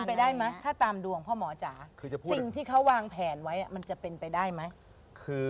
เป็นไปได้ไหมถ้าตามดวงพ่อหมอจ๋าสิ่งที่เขาวางแผนไว้มันจะเป็นไปได้ไหม